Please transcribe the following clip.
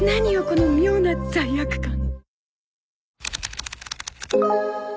この妙な罪悪感。